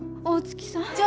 大月さん？